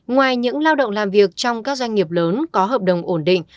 ngoài những lao động làm việc trong các doanh nghiệp lớn có hợp đồng ổn định